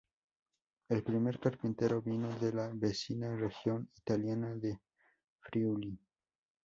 El primer carpintero vino de la vecina región italiana de Friuli.